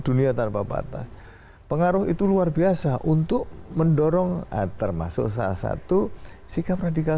dunia tanpa batas pengaruh itu luar biasa untuk mendorong termasuk salah satu sikap radikal